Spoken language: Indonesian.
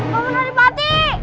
paman dari pati